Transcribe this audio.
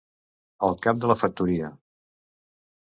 El cap de la factoria.